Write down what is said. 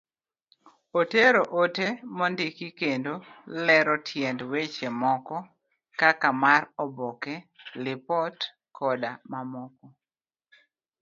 Otero ote mondiki kendo lero tiend weche moko kaka mar oboke, lipot, koda mamoko.